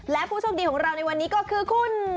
และผู้โชคดีของเราในวันนี้ก็คือคุณ